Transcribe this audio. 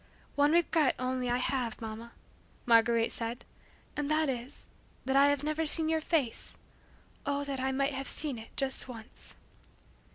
"One regret only I have, Mamma," Marguerite said; "and that is, that I have never seen your face. Oh, that I might have seen it just once."